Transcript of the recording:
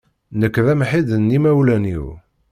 Nekk d awḥid n imawlan-iw.